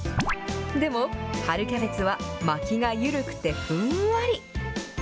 でも、春キャベツは巻きが緩くてふんわり。